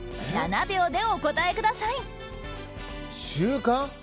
７秒でお答えください。